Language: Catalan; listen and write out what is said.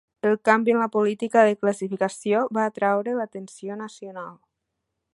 El canvi en la política de classificació va atreure l'atenció nacional.